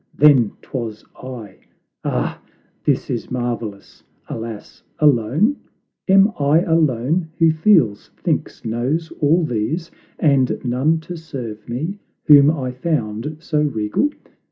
then 'twas I. "Ah, this is marvelous; alas, alone? Am I alone, who feels, thinks, knows, all these, And none to serve me whom I found so regal?